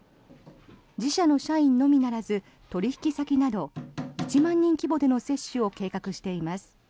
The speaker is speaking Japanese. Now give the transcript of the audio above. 自社の社員のみならず取引先など１万人規模での接種を計画しています。